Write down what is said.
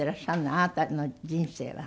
あなたの人生は。